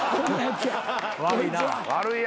悪いな。